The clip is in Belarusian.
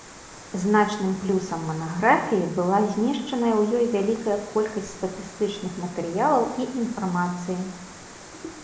Значным плюсам манаграфіі была змешчаная ў ёй вялікая колькасць статыстычных матэрыялаў і інфармацыі.